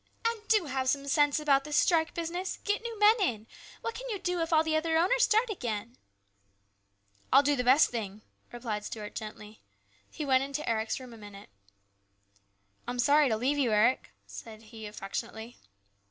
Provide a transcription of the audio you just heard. " And do have some sense about this strike business. Get new men in. What can you do if all the other owners start again ?"" I'll do the best thing," replied Stuart gently. He went into Eric's room a minute. " I'm sorry to leave you, Eric," he said affectionately.